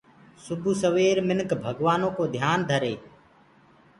سبو سوير مِنک ڀگوآنو ڪو ڌيآن ڌري۔